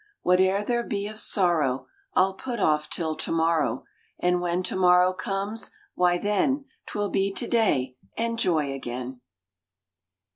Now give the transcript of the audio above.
What er there be of Sorrow I ll put off till To morrow, And when To morrow comes, why then Twill be To day and Joy again!